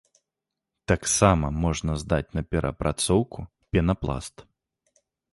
Таксама можна здаць на перапрацоўку пенапласт.